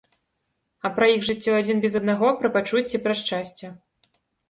А пра іх жыццё адзін без аднаго, пра пачуцці, пра шчасце.